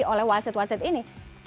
oleh wasit wasit ini